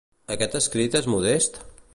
Aquest escrit és modest?